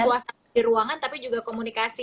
bukan suasa di ruangan tapi juga komunikasi